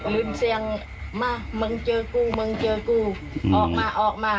ลืมเสียงมามึงเจอกูมึงเจอกูออกมาออกมา